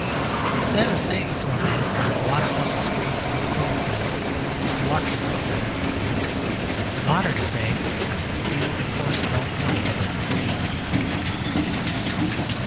Instead of saying to a man who blocks up a street or the fireplace, "You ought to know better than that," the moderns say, "You, of course, don't know better than that."